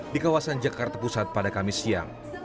di kawasan jakarta pusat pada kamis siang